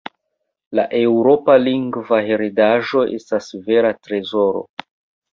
La eŭropa lingva heredaĵo estas vera trezoro.